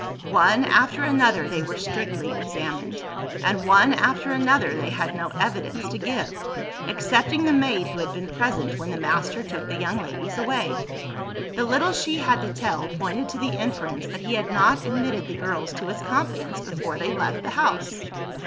One after another they were strictly examined; and one after another they had no evidence to give excepting the maid who had been present when the master took the young ladies away. The little she had to tell, pointed to the inference that he had not admitted the girls to his confidence before they left the house.